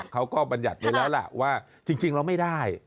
เขาก็บัญญัติเลยแล้วแหละว่าจริงเราไม่ได้